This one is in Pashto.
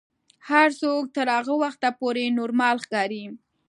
هر څوک تر هغه وخته پورې نورمال ښکاري.